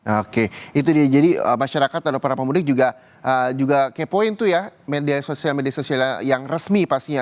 oke itu dia jadi masyarakat atau para pemudik juga kepoint tuh ya media sosial media sosial yang resmi pastinya